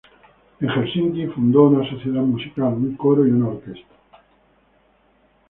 En Helsinki fundó una sociedad musical, un coro y una orquesta.